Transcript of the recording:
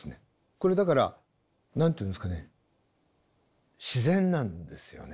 これだから何て言うんですかね自然なんですよね。